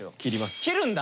切るんだ！